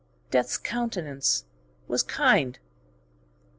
Death's countenance was kind.